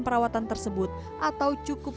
perawatan tersebut atau cukup